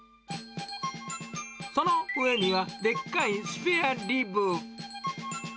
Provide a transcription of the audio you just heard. その上には、でっかいスペアリブ。